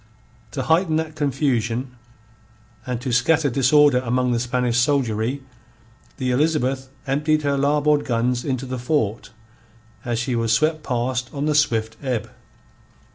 To heighten that confusion, and to scatter disorder among the Spanish soldiery, the Elizabeth emptied her larboard guns into the fort as she was swept past on the swift ebb.